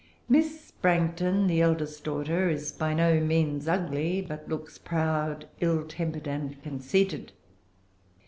Miss Branghton, the eldest daughter, is by no means ugly; but looks proud, ill tempered, and conceited.